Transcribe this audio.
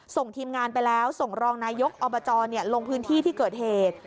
ส่งทีมงานไปแล้วส่งรองนายกอบจลงพื้นที่ที่เกิดเหตุ